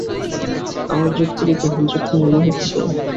আমার যুক্তি কি গ্রহণযোগ্য মনে হচ্ছে?